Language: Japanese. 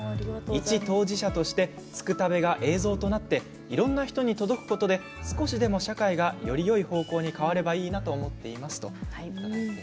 一当事者として「つくたべ」が映像となっていろんな人に届くことで少しでも社会がよりよい方向に変わればいいなと思っています。